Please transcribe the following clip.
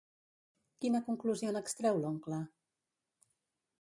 Quina conclusió n'extreu l'oncle?